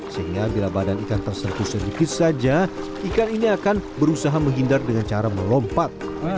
sehingga bila badan ikan terserpu sedikit saja ikan ini akan berusaha menghindar dengan cara melompat